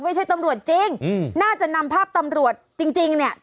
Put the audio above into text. ไม่ใช่ตำรวจจริงอืมน่าจะนำภาพตำรวจจริงจริงเนี่ย